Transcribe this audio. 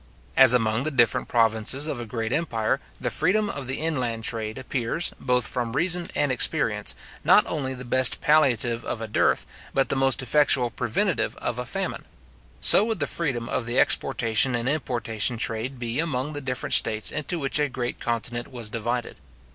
As among the different provinces of a great empire, the freedom of the inland trade appears, both from reason and experience, not only the best palliative of a dearth, but the most effectual preventive of a famine; so would the freedom of the exportation and importation trade be among the different states into which a great continent was divided.